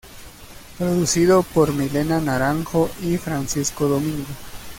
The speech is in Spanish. Producido por Milena Naranjo y Francisco Domingo.